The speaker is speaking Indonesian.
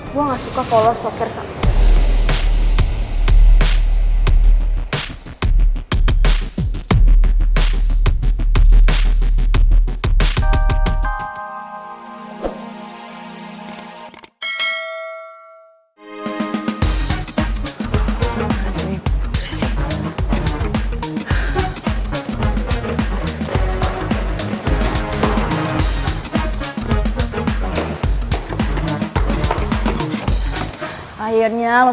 gue gak suka kalau lo shocker sama gue